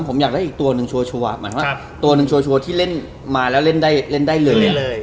ผมอยากได้อีกตัวหนึ่งชัวร์หมายความว่าตัวหนึ่งชัวร์ที่เล่นมาแล้วเล่นได้เลย